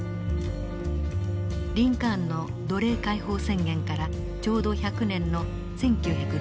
リンカーンの奴隷解放宣言からちょうど１００年の１９６３年。